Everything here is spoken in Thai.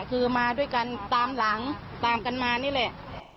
คือมาด้วยกันตามหลังตามกันมานี่แหละ